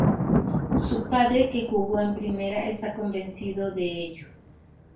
Su padre, que jugó en Primera, está convencido de ello.